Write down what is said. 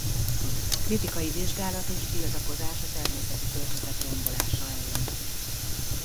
Kritikai vizsgálat és tiltakozás a természeti környezet rombolása ellen.